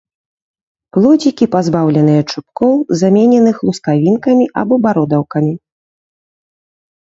Плодзікі пазбаўленыя чубкоў, замененых лускавінкамі або бародаўкамі.